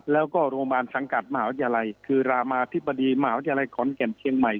แล้วก็โรงพยาบาลสังกัดมหาวิทยาลัยคือรามาธิบดีมหาวิทยาลัยขอนแก่นเชียงใหม่